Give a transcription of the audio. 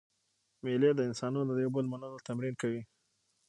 مېلې د انسانانو د یو بل منلو تمرین کوي.